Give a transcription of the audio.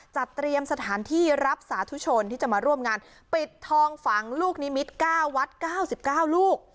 จัดเตรียมสถานที่รับสาธุชนที่จะมาร่วมงานปิดทองฝังลูกนิมิตร๙วัด๙๙ลูก